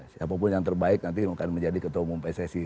siapapun yang terbaik nanti akan menjadi ketua umum pssi